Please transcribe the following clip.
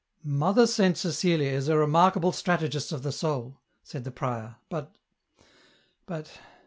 " Mother Saint Cecilia is a remarkable strategist of the soul," said the prior, " but ... but